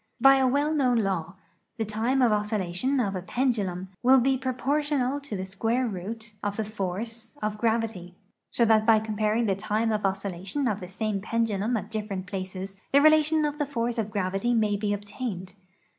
By a well known law, the time of oscillation of a pendulum will be proportional to the square root of the force of gravity ; so that by comparing the time of oscillation of the same pendulum at different places the relation of the force of gravity may be obtained.